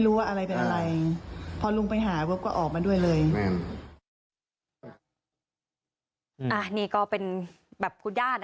อ่าพอลุ่นออกไปดีกว่า